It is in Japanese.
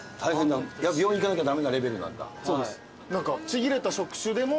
病院行かなきゃ駄目なレベルなんだ。